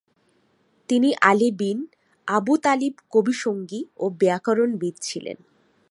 তিনি Ali bin Abu Talib কবি সঙ্গী ও ব্যাকরণবিদ ছিলেন।